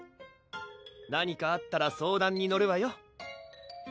何かあったら相談に乗るわよ